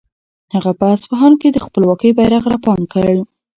هغه په اصفهان کې د خپلواکۍ بیرغ رپاند کړ.